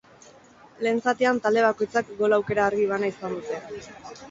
Lehen zatian talde bakoitzak gol aukera argi bana izan dute.